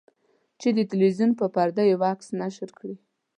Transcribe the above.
چې د تلویزیون په پرده یو عکس نشر کړي.